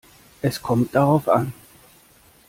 Es kommt darauf an.